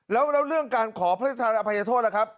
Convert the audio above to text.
แล้วเรื่องการขอพระราชทานอภัยโทษล่ะครับ